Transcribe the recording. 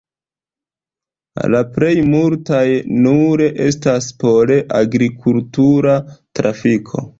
La plej multaj nur estas por agrikultura trafiko.